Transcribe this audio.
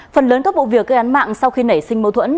phần lớn các vụ việc gây án mạng sau khi nảy sinh mâu thuẫn